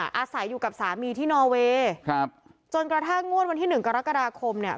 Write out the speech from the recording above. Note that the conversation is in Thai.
อาศัยอยู่กับสามีที่นอเวย์ครับจนกระทั่งงวดวันที่หนึ่งกรกฎาคมเนี่ย